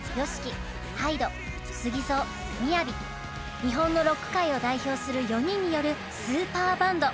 日本のロック界を代表する４人によるスーパーバンド。